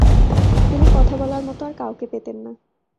তিনি কথা বলার মত আর কাউকে পেতেন না।